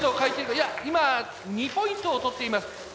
いや今２ポイントをとっています。